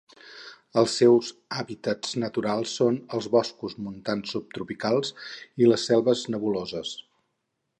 Els seus hàbitats naturals són els boscos montans subtropicals i les selves nebuloses.